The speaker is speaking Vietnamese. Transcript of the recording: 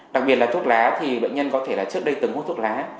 đặc biệt là thuốc lá thì bệnh nhân có thể là trước đây từng hút thuốc lá